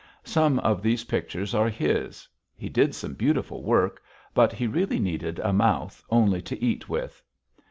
Some of these pictures are his. He did some beautiful work, but he really needed a mouth only to eat with.